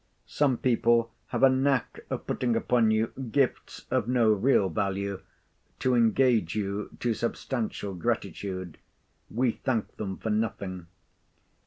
Some people have a knack of putting upon you gifts of no real value, to engage you to substantial gratitude. We thank them for nothing.